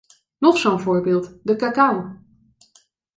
Nog zo'n voorbeeld: de cacao.